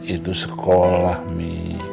itu sekolah mi